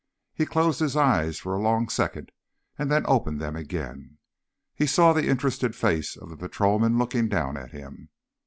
He closed his eyes for a long second, and then opened them again. He saw the interested face of the patrolman looking down at him.